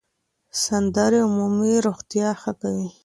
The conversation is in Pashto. سندرې عمومي روغتیا ښه کوي.